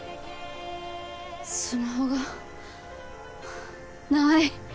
スマホがない。